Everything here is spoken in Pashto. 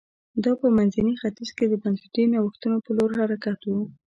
دا په منځني ختیځ کې د بنسټي نوښتونو په لور حرکت و